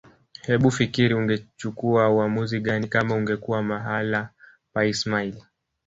Hebufikiri ungechukua uamuzi gani kama ungekuwa mahala pa ismail